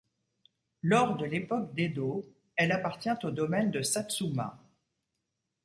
Lors de l'époque d'Edo, elle appartient au domaine de Satsuma.